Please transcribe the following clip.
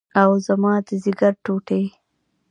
اوه زما د ځيګر ټوټې.